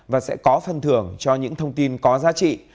và sẽ có phân thưởng cho những thông tin có giá trị